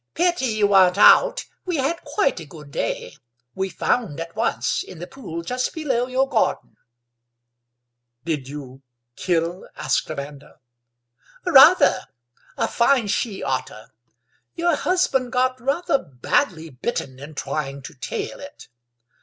"Pity you weren't out; we had quite a good day. We found at once, in the pool just below your garden." "Did you—kill?" asked Amanda. "Rather. A fine she otter. Your husband got rather badly bitten in trying to 'tail it.